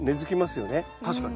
確かに。